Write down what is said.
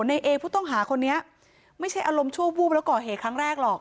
ในเอผู้ต้องหาคนนี้ไม่ใช่อารมณ์ชั่ววูบแล้วก่อเหตุครั้งแรกหรอก